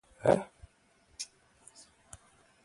Se encuentra en la calle Nabi Daniel.